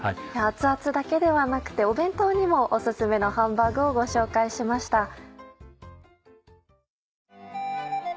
熱々だけではなくて弁当にもお薦めのハンバーグをご紹介しました。